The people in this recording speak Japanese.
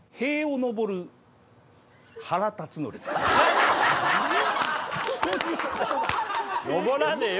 登らねえよ